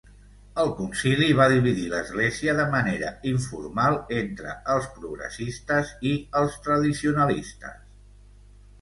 El concili va dividir l'església de manera informal entre els progressistes i els tradicionalistes.